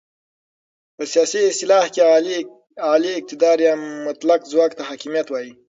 په سیاسي اصطلاح کې اعلی اقتدار یا مطلق ځواک ته حاکمیت وایې.